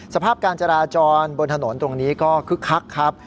สภาพการจราจรบนถนนตรงนี้ก็คึกคักครับ